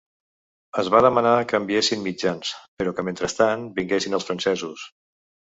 Es va demanar que enviessin mitjans, però que mentrestant vinguessin els francesos.